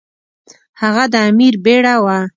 هغه د امیر بیړه وه.